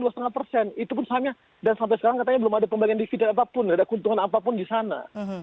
dan sampai sekarang katanya belum ada pembelian dividen apapun tidak ada keuntungan apapun di sana